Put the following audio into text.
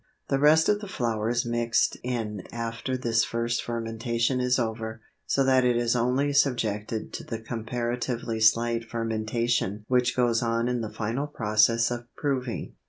The rest of the flour is mixed in after this first fermentation is over, so that it is only subjected to the comparatively slight fermentation which goes on in the final process of proving.